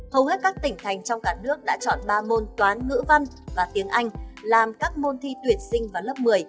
hầu hết các tỉnh thành trong cả nước đã chọn ba môn toán ngữ văn và tiếng anh làm các môn thi tuyển sinh vào lớp một mươi